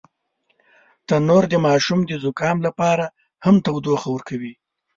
تنور د ماشوم د زکام لپاره هم تودوخه ورکوي